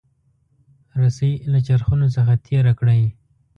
رسۍ له چرخونو څخه تیره کړئ.